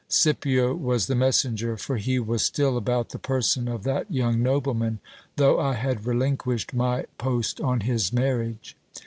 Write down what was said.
Scipio was the messenger ; for he was still about the person of that young nobleman, though I had relinquished my post on his marriage.